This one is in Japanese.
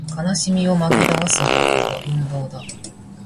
悲しみを紛らわす方法は運動だ